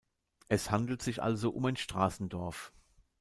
Es handelt sich also um ein Straßendorf.